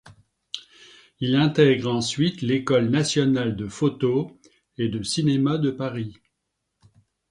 Il intègre ensuite l'École Nationale de Photo et de Cinéma de Paris.